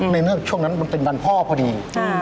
ในเมื่อช่วงนั้นเป็นบรรพ่อพอดี